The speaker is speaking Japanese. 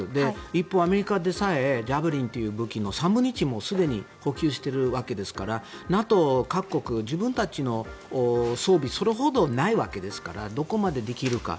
一方、アメリカでさえジャベリンという武器の３分の１をすでに補給しているわけですからＮＡＴＯ各国は自分たちの装備はそれほどないわけですからどこまでできるか。